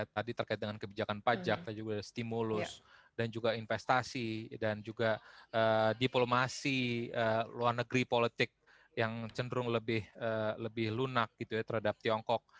tadi terkait dengan kebijakan pajak stimulus dan juga investasi dan juga diplomasi luar negeri politik yang cenderung lebih lunak gitu ya terhadap tiongkok